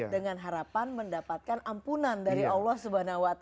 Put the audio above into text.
dengan harapan mendapatkan ampunan dari allah swt